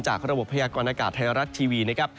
ระบบพยากรณากาศไทยรัฐทีวีนะครับ